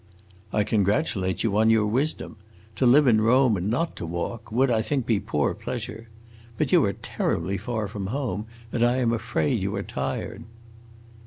"I congratulate you on your wisdom. To live in Rome and not to walk would, I think, be poor pleasure. But you are terribly far from home, and I am afraid you are tired."